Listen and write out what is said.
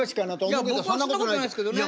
いや僕はそんなことないですけどね。